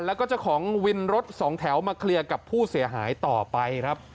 แล้วก็เจ้าของวินรถสองแถวมาเคลียร์กับผู้เสียหายต่อไปครับ